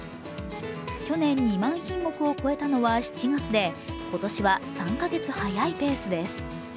去年、２万品目を超えたのは７月で、今年は３カ月早いペースです。